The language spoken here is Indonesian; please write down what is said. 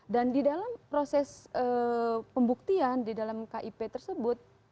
dan di dalam proses pembuktian di dalam kip tersebut